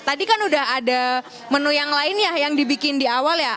tadi kan udah ada menu yang lain ya yang dibikin di awal ya